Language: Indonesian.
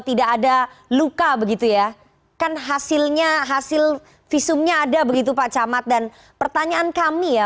tidak ada luka begitu ya kan hasilnya hasil visum nya ada begitu pacamat dan pertanyaan kami ya